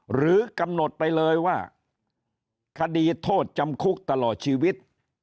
หรือกำหนดไปเลยว่าคดีโทษจำคุกตลอดชีวิต